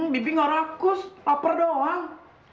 bibir gak rakus laper doang